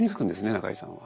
中井さんは。